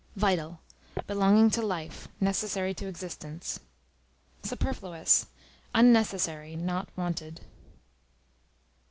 Vital, belonging to life, necessary to existence. Superfluous, unnecessary, not wanted.